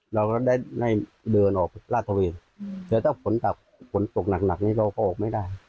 เราก็ได้เดินออกลาดตระเวนแต่ถ้าฝนตกฝนตกหนักนี้เราก็ออกไม่ได้